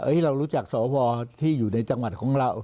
เรารู้จักสวที่อยู่ในจังหวัดของเรา